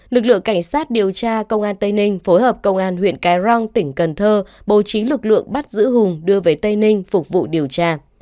lực lượng cảnh sát điều tra công an tây ninh phối hợp công an huyện cái răng tỉnh cần thơ bố trí lực lượng bắt giữ hùng đưa về tây ninh phục vụ điều tra